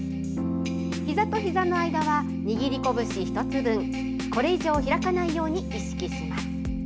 ひざとひざの間は握りこぶし１つ分、これ以上開かないように意識します。